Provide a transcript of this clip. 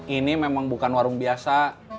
ini memang bukan warung biasa